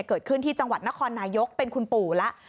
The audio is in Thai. เกิดขึ้นที่จังหวัดนครนายกเป็นคุณปู่แล้ว